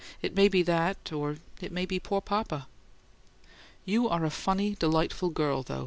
It may be that or it may be poor papa." "You ARE a funny, delightful girl, though!"